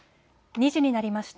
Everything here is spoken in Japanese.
２時になりました。